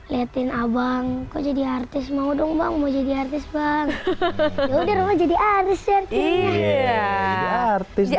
liatin abang kok jadi artis mau dong bang mau jadi artis bang udah rumah jadi artis ya artis ya